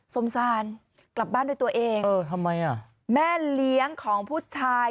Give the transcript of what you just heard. สงสารกลับบ้านด้วยตัวเองเออทำไมอ่ะแม่เลี้ยงของผู้ชาย